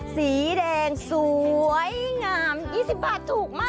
สีแดงสวยงาม๒๐บาทถูกมาก